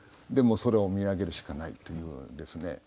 でもう空を見上げるしかないというですね。